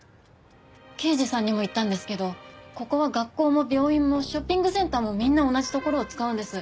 刑事さんにも言ったんですけどここは学校も病院もショッピングセンターもみんな同じところを使うんです。